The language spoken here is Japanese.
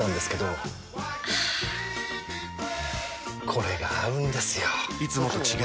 これが合うんですよ！